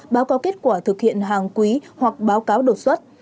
báo cáo kết quả thực hiện hàng quý hoặc báo cáo đột xuất